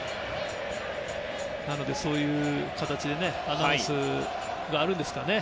なので、そういう形でアナウンスがあるんですかね。